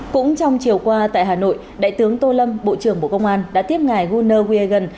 cũng trong chiều qua tại hà nội đại tướng tô lâm bộ trưởng bộ công an đã tiếp ngài guner wiegen